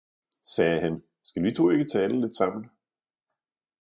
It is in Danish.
sagde han, skal vi to ikke tale lidt sammen!